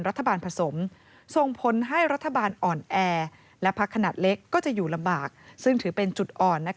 ผสมส่งผลให้รัฐบาลอ่อนแอและพักขนาดเล็กก็จะอยู่ลำบากซึ่งถือเป็นจุดอ่อน